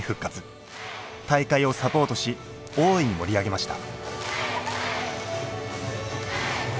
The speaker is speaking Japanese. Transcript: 大会をサポートし大いに盛り上げました。